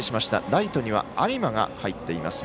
ライトには有馬が入っています。